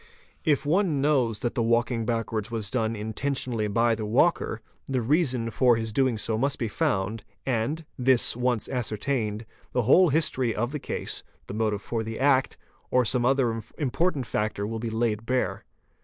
If one knows that the walking back wards was done intentionally by the walker, the reason for his doing so must be found, and, this once ascertained, the whole history of the case, the motive for the act, or some other important factor will be laid bare.